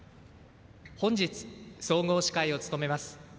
本日総合司会を務めます